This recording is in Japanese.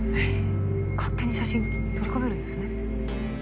勝手に写真取り込めるんですね。